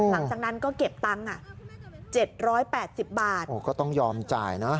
หลังจากนั้นก็เก็บตังค์อ่ะเจ็ดร้อยแปดสิบบาทโอ้ก็ต้องยอมจ่ายนะ